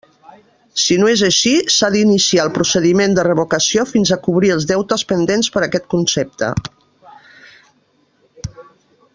Si no és així, s'ha d'iniciar el procediment de revocació fins a cobrir els deutes pendents per aquest concepte.